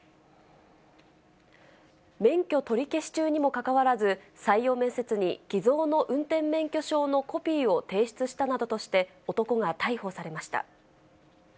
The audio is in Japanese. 免許取り消し中にもかかわらず、採用面接に偽造の運転免許証のコピーを提出したなどとして、男が逮捕されました。